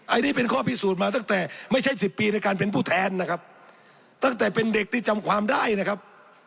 อันนี้เป็นข้อพิสูจน์มาตั้งแต่ไม่ใช่สิบปีในการเป็นผู้แทนนะครับตั้งแต่เป็นเด็กที่จำความได้นะครับ